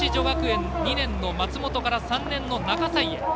学園２年の松本から３年の中才へ。